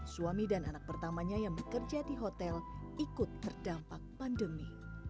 suami dan anak pertamanya yang bekerja di hotel ikut terdampak pandemi